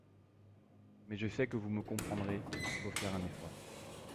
…mais je sais que vous me comprendrez : il faut faire un effort.